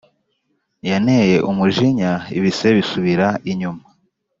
Yaneye umujinya ibise bisubira inyuma